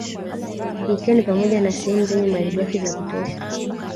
Ikiwa ni pamoja na sehemu zenye malighafi za kutosha